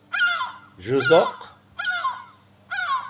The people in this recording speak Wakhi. z̃u zoq